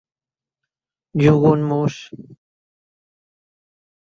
Jugo un mus...